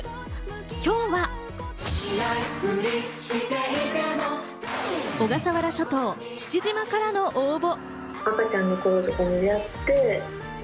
今日は、小笠原諸島・父島からの応募。